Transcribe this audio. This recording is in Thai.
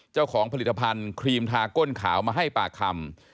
เจ้าของผลิตภัณฑ์ครีมทาก้นขาวมาให้ปากคำ